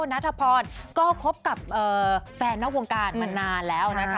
นัทพรก็คบกับแฟนนอกวงการมานานแล้วนะคะ